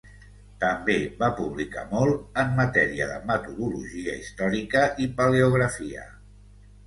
També va publicar molt en matèria de metodologia històrica i paleografia.